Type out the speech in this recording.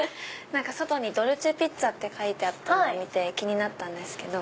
外にドルチェピッツァって書いてあったのを見て気になったんですけど。